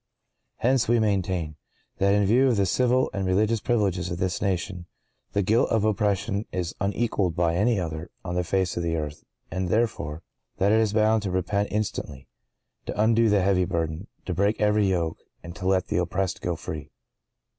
(¶ 9) Hence we maintain— (¶ 10) That in view of the civil and religious privileges of this nation, the guilt of oppression is unequalled by any other on the face of the earth;—and, therefore, (¶ 11) That it is bound to repent instantly, to undo the heavy burden, to break every yoke, and to let the oppressed go free.